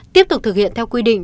tiếp tục thực hiện theo quy định